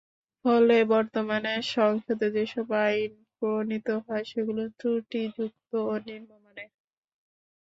ফলে বর্তমানে সংসদে যেসব আইন প্রণীত হয়, সেগুলো ত্রুটিযুক্ত ও নিম্নমানের।